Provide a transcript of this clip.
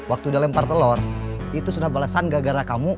itu udah lempar telor itu sudah balasan gak gara kamu